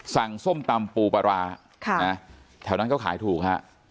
สั่งส้มตำปูปลาร้าแถวนั้นก็ขายถูกครับ